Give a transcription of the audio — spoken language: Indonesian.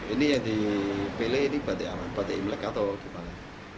ini yang dipilih ini batik imlek atau gimana